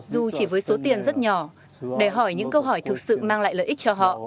dù chỉ với số tiền rất nhỏ để hỏi những câu hỏi thực sự mang lại lợi ích cho họ